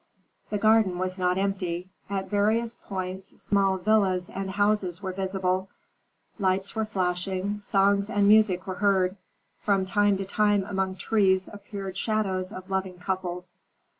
The garden was not empty. At various points small villas and houses were visible, lights were flashing, songs and music were heard. From time to time among trees appeared shadows of loving couples.